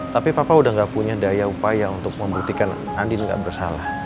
tapi papa udah gak punya daya upaya untuk membuktikan andin nggak bersalah